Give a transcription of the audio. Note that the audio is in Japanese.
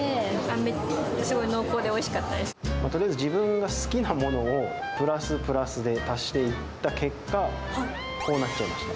めっちゃ、すごい濃厚でおいとりあえず自分が好きなものを、プラス、プラスで足していった結果、こうなっちゃいました。